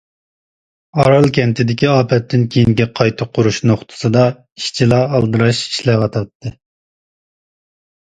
ئارال كەنتىدىكى ئاپەتتىن كېيىنكى قايتا قۇرۇش نۇقتىسىدا، ئىشچىلار ئالدىراش ئىشلەۋاتاتتى.